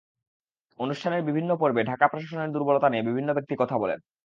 অনুষ্ঠানের বিভিন্ন পর্বে ঢাকা প্রশাসনের দুর্বলতা নিয়ে বিভিন্ন ব্যক্তি কথা বলেন।